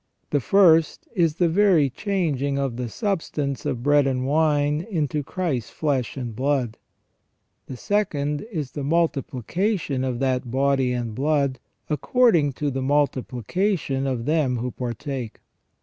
The first is the very changing of the substance of bread and wine into Christ's flesh and blood ; the second is the multiplication of that body and blood according to the multiplication of them who partake.